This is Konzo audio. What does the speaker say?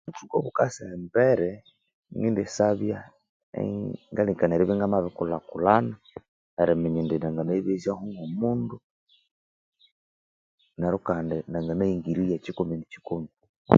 Obukasa embere Ngendisabya kalengekanaya eribya inamabirikulhakulhana neryo Kandi neriyibezaho ngomundu neryo Kandi nanganayingiriria kikomi kikomi